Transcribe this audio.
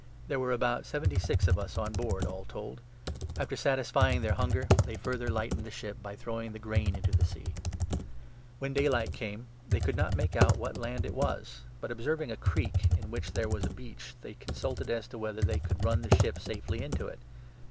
There were about seventy six of us on board, 37 all told. After satisfying their hunger, they further lightened 38 the ship by throwing the grain into the sea. When 39 Paul is daylight came, they could not make out what shipwrecked, land it was, but, observinga creek in which there was a beach, they consulted as to whether they could run the ship safely into it.